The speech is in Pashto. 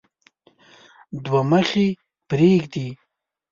دوه مخي پريږدي.